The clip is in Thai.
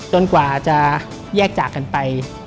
กว่าจะแยกจากกันไป